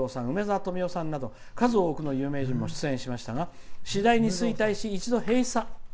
梅沢富美男さんなど数多くの有名人も出演しましたが次第に衰退し一度、閉鎖。